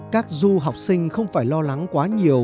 các du học sinh không phải lo lắng quá nhiều